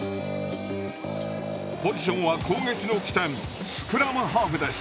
ポジションは攻撃の起点スクラムハーフです。